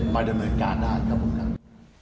มาดำเนินการอย่างนั้นครับผมครับ